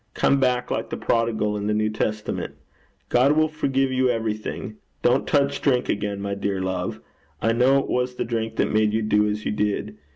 Come back, like the prodigal in the New Testament. God will forgive you everything. Don't touch drink again, my dear love. I know it was the drink that made you do as you did.